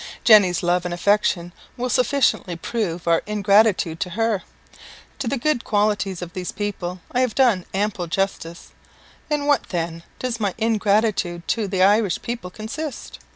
Jenny's love and affection will sufficiently prove our ingratitude to her. To the good qualities of these people I have done ample justice. In what, then, does my ingratitude to the Irish people consist?